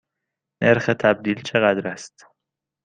نرخ تبدیل چقدر است؟